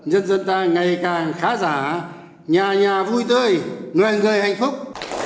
nhân dân ta ngày càng khá giả nhà nhà vui tươi người người hạnh phúc